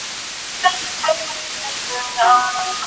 এমন অনেক কথা আমরা বলি, যেটা আমরা ছাড়া অন্যরা বোঝে না।